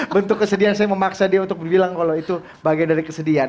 bentuk kesedihan saya memaksa dia untuk berbilang kalau itu bagian dari kesedihan